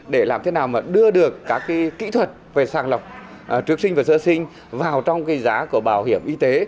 để làm thế nào mà đưa được các kỹ thuật về sàng lọc trước sinh và sơ sinh vào trong cái giá của bảo hiểm y tế